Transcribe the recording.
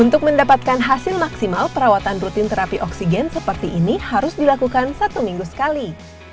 untuk mendapatkan hasil maksimal perawatan rutin terapi oksigen seperti ini harus dilakukan satu minggu sekali